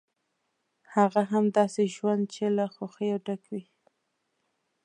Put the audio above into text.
هغه هم داسې ژوند چې له خوښیو ډک وي.